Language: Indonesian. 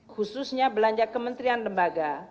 khususnya belanja kementrian lembaga